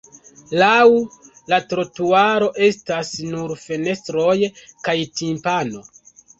Laŭ la trotuaro estas nur fenestroj kaj timpano.